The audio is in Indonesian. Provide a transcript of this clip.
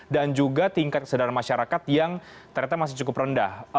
dan juga tingkat kesedaran masyarakat yang ternyata masih cukup rendah